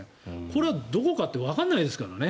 これはどこかってわからないですからね